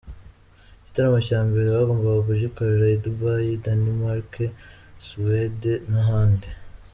Igitaramo cya mbere bagombaga kugikorera i Dubai bagakomereza mu Buholandi, Danimarike, Suwede n’ahandi.